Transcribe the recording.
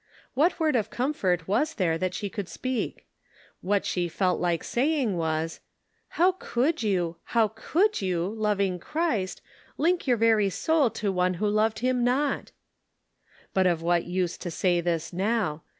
What word of comfort was there that she could speak? What she felt like saying was :" How could you, how could you, loving Christ, link your very soul to one who loved Subtle Distinctions. 141 Him not !" But of what use to say this now.